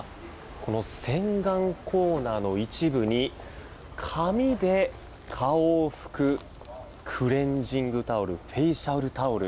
この洗顔コーナーの一部に紙で顔を拭くクレンジングタオルフェイシャルタオル